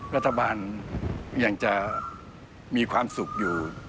รัฐบาลยังจะมีความสุขอยู่